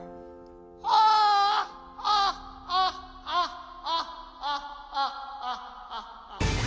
アーハッハッハッハッハッハッハ！